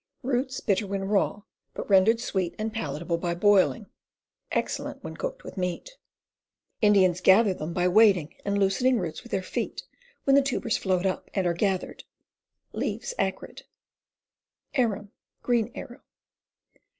Roots bitter when raw, but rendered sweet and palatable by boiling. Excellent when cooked with meat. Indians gather them by wading and loosen ing roots with their feet, when the tubers float up and are gathered. Leaves acrid. Arum, Green Arrow.